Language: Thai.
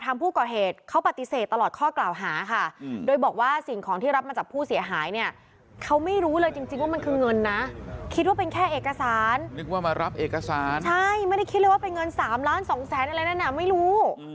ไม่ไม่ได้คิดเลยว่าเป็นเงิน๓ล้าน๒แสนอะไรแน่น่ะไม่รู้